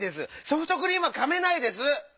ソフトクリームはかめないです！